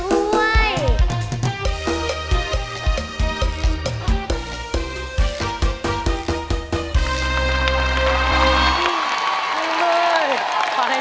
แล้วก็จะถั่งไป